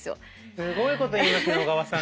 すごいこと言いますね小川さん。